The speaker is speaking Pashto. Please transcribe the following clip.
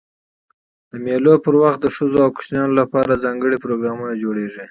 د مېلو پر وخت د ښځو او کوچنيانو له پاره ځانګړي پروګرامونه جوړېږي.